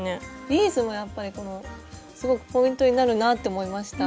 ビーズもやっぱりすごくポイントになるなって思いました。